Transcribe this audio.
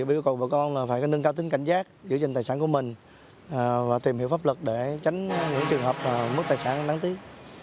yêu cầu bà con là phải nâng cao tính cảnh giác giữ gìn tài sản của mình và tìm hiểu pháp luật để tránh những trường hợp mất tài sản đáng tiếc